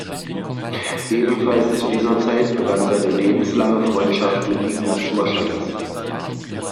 Ebenfalls zu dieser Zeit begann seine lebenslange Freundschaft mit Ignaz Moscheles.